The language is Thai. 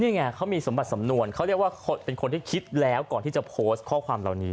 นี่ไงเขามีสมบัติสำนวนเขาเรียกว่าเป็นคนที่คิดแล้วก่อนที่จะโพสต์ข้อความเหล่านี้